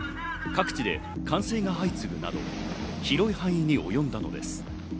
各地で冠水が相次ぐなど広い範囲に及んだのです。